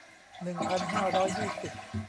หนึ่งพันห้าร้อยยี่สิบ